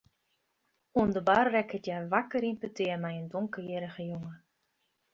Oan de bar rekket hja wakker yn petear mei in donkerhierrige jonge.